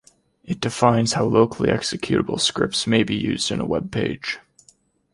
It defines how locally executable scripts may be used in a web page.